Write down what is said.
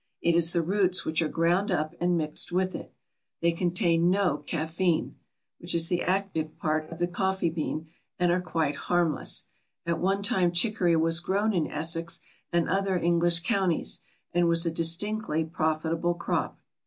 It is the roots which are ground up and mixed with it. They contain no caffeine, which is the active part of the coffee bean, and are quite harmless. At one time chicory was grown in Essex and other English counties, and was a distinctly profitable crop.